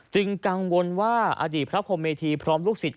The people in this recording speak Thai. กังวลว่าอดีตพระพรมเมธีพร้อมลูกศิษย